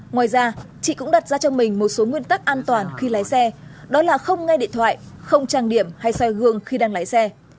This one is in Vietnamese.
ngoài ra chị cũng đặt ra cho mình một số nguyên tắc an toàn khi lái xe đó là không nghe điện thoại không trang điểm hay xe gương khi đang lái xe